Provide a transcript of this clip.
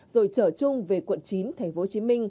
rồi chở chung về quận chín tp hcm